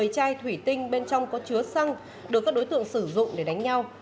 một mươi chai thủy tinh bên trong có chứa xăng được các đối tượng sử dụng để đánh nhau